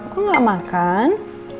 kau gak makan